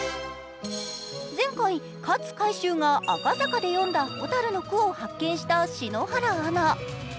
前回、勝海舟が赤坂で詠んだほたるの句を発見した篠原アナ。